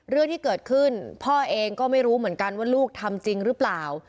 เรื่องที่เกิดขึ้นพ่อเองก็ไม่รู้เหมือนกันว่าลูกทำจริงหรือเปล่า